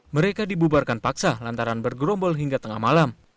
mereka dibubarkan paksa lantaran bergerombol hingga tengah malam